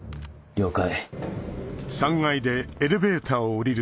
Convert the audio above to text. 了解。